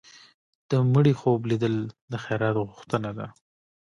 د مړي خوب لیدل د خیرات غوښتنه ده.